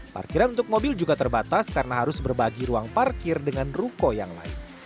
parkiran untuk mobil juga terbatas karena harus berbagi ruang parkir dengan ruko yang lain